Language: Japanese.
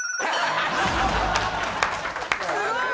すごい！